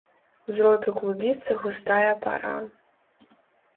З роту клубіцца густая пара.